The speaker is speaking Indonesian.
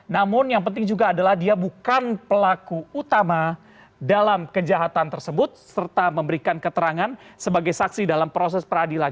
namun yang penting juga adalah dia bukan pelaku utama dalam kejahatan tersebut serta memberikan keterangan sebagai saksi dalam proses peradilan